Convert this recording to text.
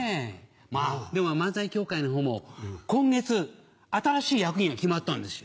まぁでも漫才協会のほうも今月新しい役員が決まったんですよ。